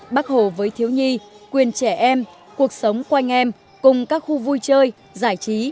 bác hồ với thiếu nhi quyền trẻ em cuộc sống quanh em cùng các khu vui chơi giải trí